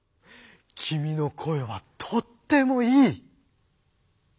きみの声はとってもいい」。